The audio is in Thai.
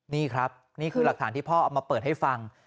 นี่ครับนี่คือหลักฐานที่พ่อเอามาเปิดให้ฟัง